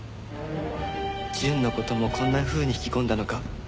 淳の事もこんなふうに引き込んだのか？